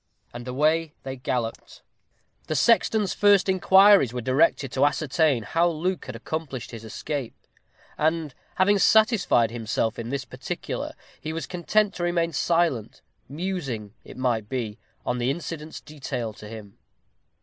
And away they galloped. The sexton's first inquiries were directed to ascertain how Luke had accomplished his escape; and, having satisfied himself in this particular, he was content to remain silent; musing, it might be, on the incidents detailed to him.